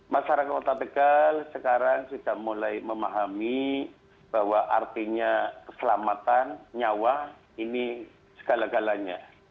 masyarakat kota tegal sekarang sudah mulai memahami bahwa artinya keselamatan nyawa ini segala galanya